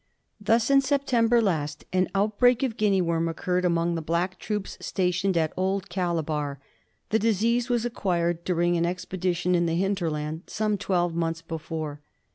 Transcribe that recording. Thus in September last an outbreak of Guinea worm occurred among the black troops stationed at Old Calabar. The disease was acquired during an expedition in the hinterland some twelve months before.